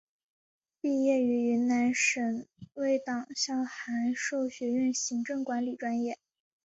毕业于云南省委党校函授学院行政管理专业。